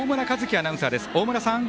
アナウンサーです。